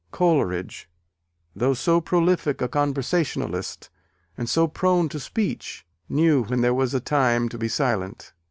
Coleridge, though so prolific a conversationalist, and so prone to speech, knew when there was a time to be silent.